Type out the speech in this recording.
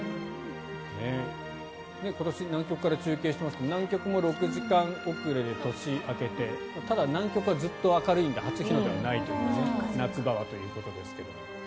今年南極から中継してますが南極も６時間遅れで年明けてただ、南極はずっと明るいので初日の出はないという夏場はということですが。